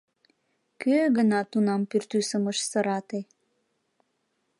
Кӧ гына тунам пӱртӱсым ыш сырате...